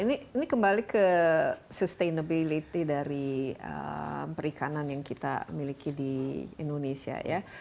ini kembali ke sustainability dari perikanan yang kita miliki di indonesia ya